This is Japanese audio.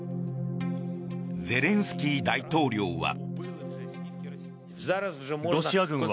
ゼレンスキー大統領は。